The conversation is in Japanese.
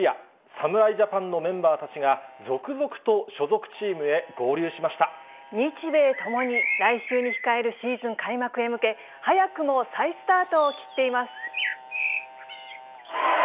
侍ジャパンのメンバーたちが、日米ともに来週に控えるシーズン開幕へ向け、早くも再スタートを切っています。